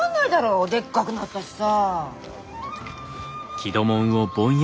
でっかくなったしさ。